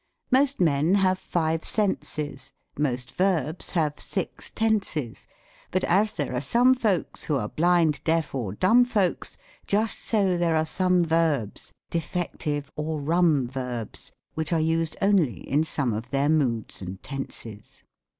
Most men have five senses, Most verbs have six tenses ; But as there are some folks Who are blind, deaf, or dumb folks, Just so there are somQ^ verbs Defective, or rum verbs, vhich are used only in some of their moods and tenses.